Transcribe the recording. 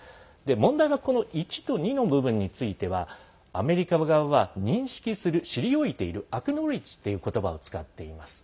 問題はこの１と２の部分についてはアメリカ側は認識する、知りおいているアクノレッジということばを使っています。